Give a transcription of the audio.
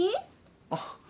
あっ。